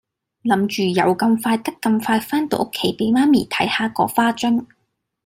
諗住有咁快得咁快番到屋企俾媽咪睇下個花樽